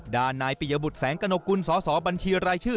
ด่านนายปิยบุรุษแสงกระโนกุลสสบัญชีรายชื่อ